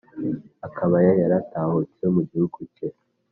Akaba yaratahutse mu gihugu cye